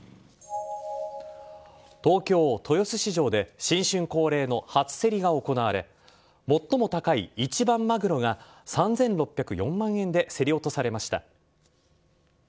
東京・豊洲市場で新春恒例の初競りが行われ最も高い一番マグロが３６０４万円で競り落とされました。